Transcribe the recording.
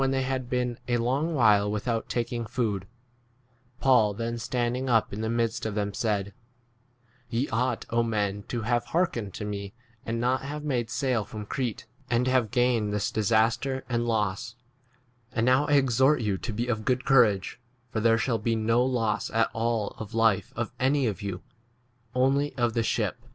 ACTS XXVJL they had been a long while with out taking food, Paul then stand ing up in the midst of them said, Ye ought, men, to have heark ened to me and not have made sail from Crete and have gained 22 this disaster and loss : and now I exhort you to be of good courage, for there shall be no loss at all of life of [any] of you, only of the 23 ship.